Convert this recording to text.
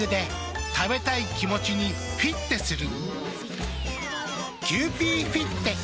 食べたい気持ちにフィッテする。